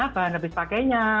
bahan habis pakainya